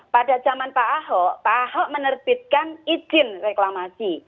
pada zaman pak ahok pak ahok menerbitkan izin reklamasi